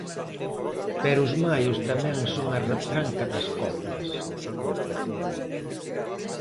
Pero os maios tamén son a retranca das coplas...